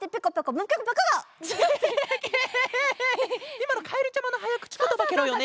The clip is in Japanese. いまのかえるちゃまのはやくちことばケロよね？